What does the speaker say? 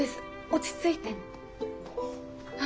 落ち着いて。